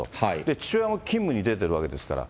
父親も勤務に出ているわけですから。